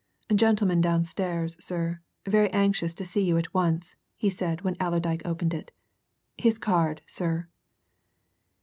"Gentleman downstairs, sir, very anxious to see you at once," he said, when Allerdyke opened it. "His card, sir."